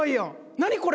何これ？